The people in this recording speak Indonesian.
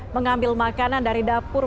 mengambil makanan dari dapur